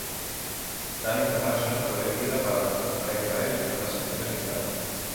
Dana International fue elegida para representar a Israel en una selección interna.